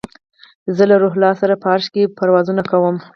زه له روح الله سره په عرش کې پروازونه کوم